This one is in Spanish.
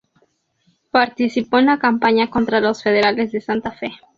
Participó de la campaña contra los federales de Santa Fe.